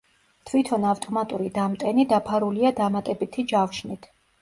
თვითონ ავტომატური დამტენი დაფარულია დამატებითი ჯავშნით.